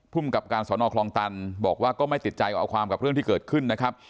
กับการสอนอคลองตันบอกว่าก็ไม่ติดใจเอาความกับเรื่องที่เกิดขึ้นนะครับ